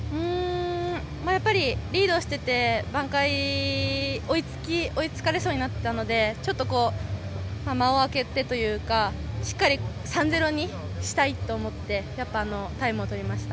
やっぱりリードしてて、挽回、追いつかれそうになったので、ちょっと間を空けてというか、しっかり３ー０にしたいと思って、やっぱタイムを取りました。